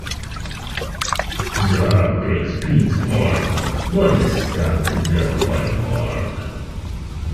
Zack breaks Pete's arm but is stabbed to death by Marc.